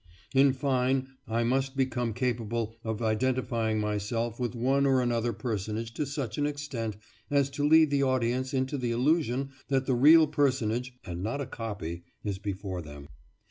In fine, I must become capable of identifying myself with one or another personage to such an extent as to lead the audience into the illusion that the real personage, and not a copy, is before them.